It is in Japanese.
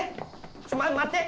ちょっま待て！